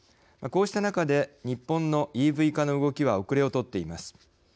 こうした中で日本のＥＶ化の動きは後れを取っています。